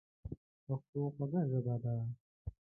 پښتو خوږه ژبه ده.